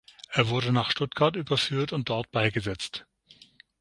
Er wurde nach Stuttgart überführt und dort beigesetzt.